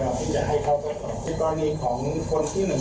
ก็จะต้องมีการทดสอบการแข่งเงินของร่างกายและผิดใจเนี่ย